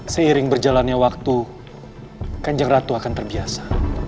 seiring berjalannya waktu kanjeng ratu akan terbiasa